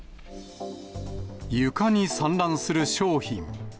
床に散乱する商品。